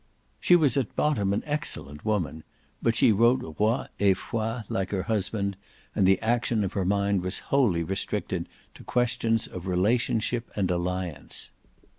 She was at bottom an excellent woman, but she wrote roy and foy like her husband, and the action of her mind was wholly restricted to questions of relationship and alliance.